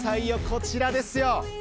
こちらですよ。